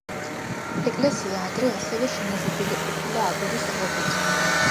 ეკლესია ადრე ასევე შემოღობილი ყოფილა აგურის ღობით.